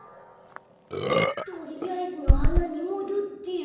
とりあえずのはなにもどってる。